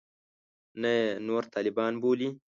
نه یې نور طالبان بولي.